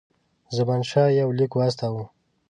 زمانشاه یو لیک واستاوه.